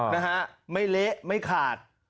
นะฮะไม่เละไม่ขาด